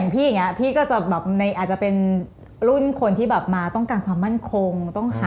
พี่อาจจะเป็นรุ่นคนที่มาต้องการความมั่นคง